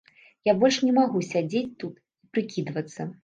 Я больш не магу сядзець тут і прыкідвацца.